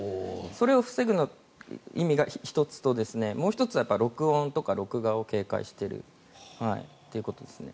それを防ぐ意味が１つともう１つは録音とか録画を警戒しているということですね。